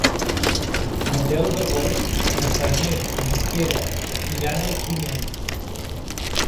El deu d'agost na Farners i en Pere iran al cinema.